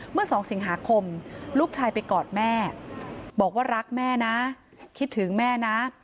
เมื่อ๒สิงหาคมลูกชายไปกอดแม่บอกว่ารักแม่นะคิดถึงแม่นะ